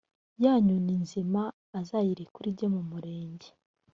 ya nyoni nzima azayirekure ijye mumurenge